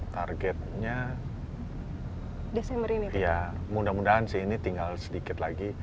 targetnya mudah mudahan sih ini tinggal sedikit lagi